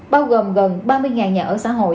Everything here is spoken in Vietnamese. bao gồm gần ba mươi nhà ở xã hội